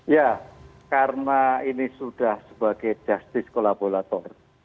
ya karena ini sudah sebagai justice kolaborator